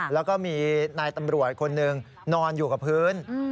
แล้วก็มีนายตำรวจคนหนึ่งนอนอยู่กับพื้น